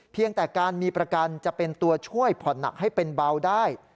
เพียงแต่การมีประกันจะเป็นตัวช่วยผ่อนหนักให้เป็นเบาได้